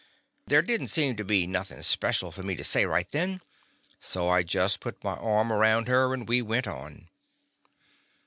There did n't seem to be nothing special for me to say right then, so I just put my arm around her, and we went on.